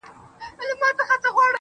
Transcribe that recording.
که غچيدله زنده گي په هغه ورځ درځم.